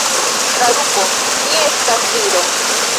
Traduko: Mi estas viro.